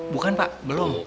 bukan pak belum